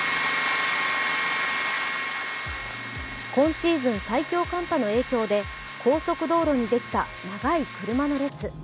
今シーズン最強寒波の影響で高速道路にできた長い車の列。